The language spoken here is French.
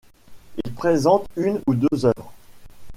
Ils présentent une ou deux œuvres.